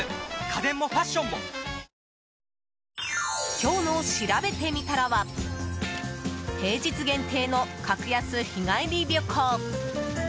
今日のしらべてみたらは平日限定の格安日帰り旅行。